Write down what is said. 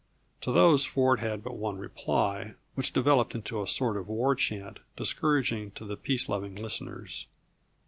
To those Ford had but one reply, which developed into a sort of war chant, discouraging to the peace loving listeners.